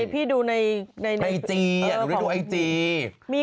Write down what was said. พี่ดูในในอีจีย์ดูอีจีย์